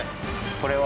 これは。